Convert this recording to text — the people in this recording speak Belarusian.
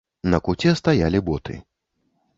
На куце стаялі боты.